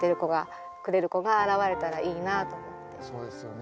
そうですよね。